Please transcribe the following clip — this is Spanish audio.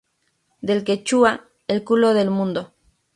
Del quechua, "el culo del mundo".